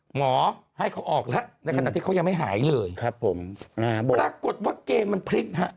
หมอให้เขาออกแล้วในขณะที่เขายังไม่หายเลยครับผมปรากฏว่าเกมมันพลิกฮะ